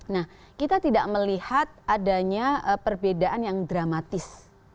nah kita tidak melihat adanya perbedaan yang dramatis